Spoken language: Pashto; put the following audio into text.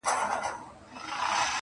سترګي سرې غټه سینه ببر برېتونه!!